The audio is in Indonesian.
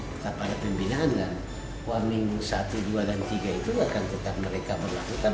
tetap ada pembinaan dan kuarminggu satu dua dan tiga itu akan tetap mereka berlakukan